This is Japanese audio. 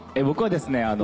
僕はですね